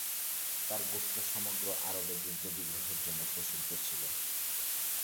তার গোত্র সমগ্র আরবে যুদ্ধ-বিগ্রহের জন্য প্রসিদ্ধ ছিল।